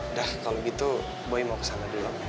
udah kalo gitu boy mau kesana dulu